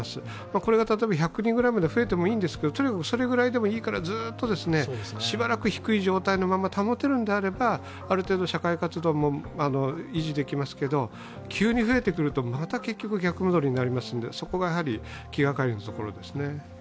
これが例えば１００人ぐらいまで増えてもいいんですけど、とにかくそれぐらいでもいいから、ずっとしばらく低い状態のまま保てるんであればある程度社会活動も維持できますけど、急に増えてくると、また結局逆戻りになりますのでそこが気がかりなところですね。